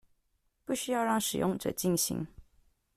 不需要讓使用者進行